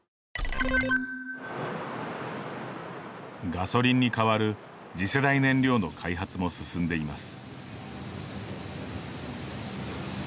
ガソリンに代わる次世代燃料の開発も進んでいます。